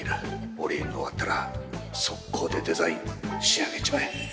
オリエンが終わったら即行でデザイン仕上げちまえ。